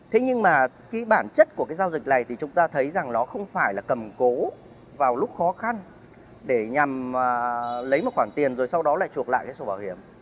thế nhưng mà cái bản chất của cái giao dịch này thì chúng ta thấy rằng nó không phải là cầm cố vào lúc khó khăn để nhằm lấy một khoản tiền rồi sau đó lại chuộc lại cái sổ bảo hiểm